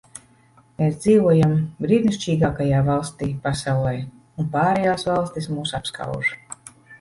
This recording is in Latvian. Mēs dzīvojam brīnišķīgākajā valstī pasaulē, un pārējās valstis mūs apskauž.